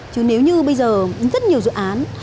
chứ nếu như bây giờ rất nhiều dự án